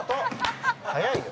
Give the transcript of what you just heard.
早いよ。